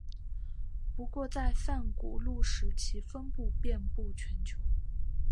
不过在泛古陆时其分布遍布全球。